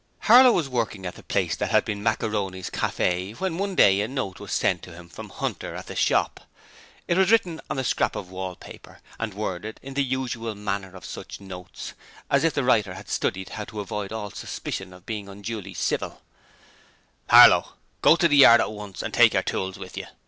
Harlow was working at the place that had been Macaroni's Cafe when one day a note was sent to him from Hunter at the shop. It was written on a scrap of wallpaper, and worded in the usual manner of such notes as if the writer had studied how to avoid all suspicion of being unduly civil: Harlow go to the yard at once take your tools with you.